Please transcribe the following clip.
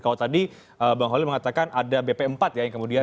kalau tadi bang holil mengatakan ada bp empat ya yang kemudian